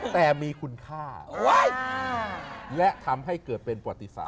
แต่มีคุณค่าและทำให้เกิดเป็นประวัติศาส